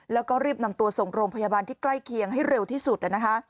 แล้วก็รีบนำตัวส่งโรงพยาบาลที่ใกล้เคียงให้เร็วที่สุดนะคะ